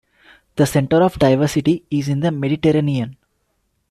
The center of diversity is in the Mediterranean.